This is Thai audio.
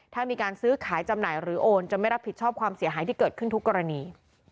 ถ้ามีการซื้อขายจำหน่ายหรือโอนจะไม่รับผิดชอบความเสียหายที่เกิดขึ้นทุกกรณี